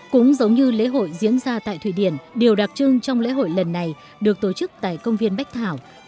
cũng giống như lễ hội diễn ra tại thụy điển điều đặc trưng trong lễ hội lần này được tổ chức tại công viên bách thảo